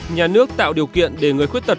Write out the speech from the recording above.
một nhà nước tạo điều kiện để người khuyết tật